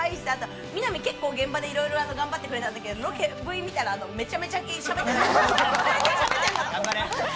あと、みなみ、結構現場でいろいろ頑張ってくれたんだけど、ＶＴＲを見たらめちゃめちゃ切られてた。